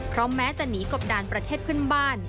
เพราะแม้จะหนีกบดานประเทศเพื่อนบ้าน